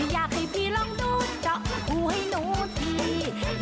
อยากให้พี่ลองดูเจาะหูให้หนูที